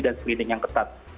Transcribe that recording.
dan screening yang ketat